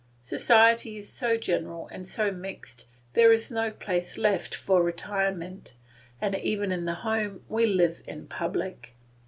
Society is so general and so mixed there is no place left for retirement, and even in the home we live in public.